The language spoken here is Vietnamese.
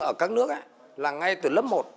ở các nước ngay từ lớp một